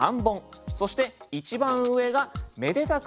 そして一番上がめでたく